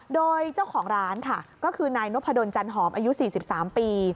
โดยเจ้าของร้านค่ะก็คือนายนพดลจันหอมอายุ๔๓ปี